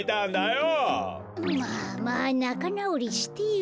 まあまあなかなおりしてよ。